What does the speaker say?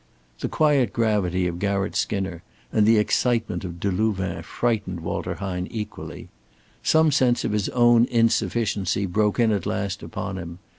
The quiet gravity of Garratt Skinner and the excitement of Delouvain frightened Walter Hine equally. Some sense of his own insufficiency broke in at last upon him.